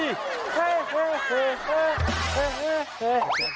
เฮ้ยเฮ้ยเฮ้ย